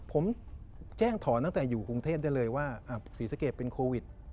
ผมแจ้งถอนตั้งแต่อยู่กรุงเทพได้เลยว่าศรีสะเกดเป็นโควิด